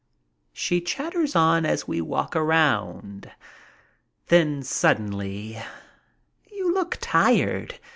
She chatters on as we walk around. Then suddenly: "You look tired.